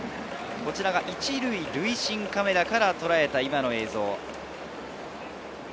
こちらは１塁塁審カメラからとらえた映像。